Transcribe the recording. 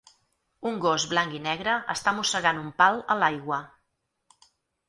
Un gos blanc i negre està mossegant un pal a l'aigua